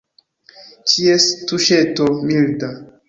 Ĉies tuŝeto – milda.